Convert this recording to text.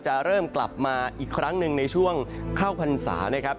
จะเริ่มกลับมาอีกครั้งหนึ่งในช่วงเข้าพรรษานะครับ